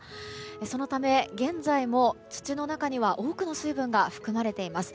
そのため、現在も土の中には多くの水分が含まれています。